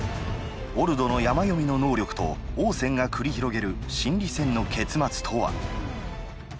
オルドの山読みの能力と王翦が繰り広げる心理戦の結末とは？